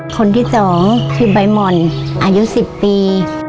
คนที่๒คือใบหม่อนอายุ๑๐ปี